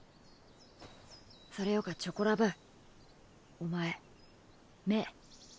それよかチョコラブお前目。